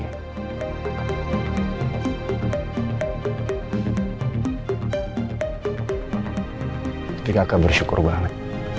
tapi kakak bersyukur banget